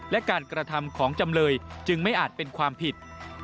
และการกระทำของจำเลยจึงไม่อาจเป็นความผิด